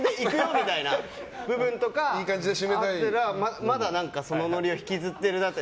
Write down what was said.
みたいな部分とかなのにまだ、そのノリを引きずってるなって。